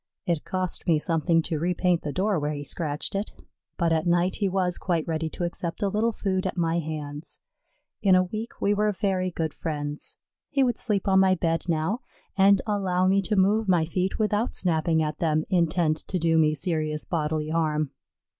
It cost me something to repaint the door where he scratched it, but at night he was quite ready to accept a little food at my hands. In a week we were very good friends. He would sleep on my bed now and allow me to move my feet without snapping at them, intent to do me serious bodily harm.